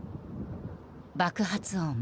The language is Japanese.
爆発音。